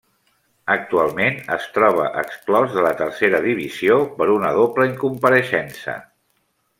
Actualment es troba exclòs de la Tercera Divisió per una doble incompareixença.